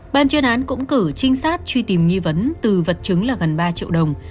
ban chuyên án cũng cử trinh sát truy tìm nghi vấn từ vật chứng là gần ba triệu đồng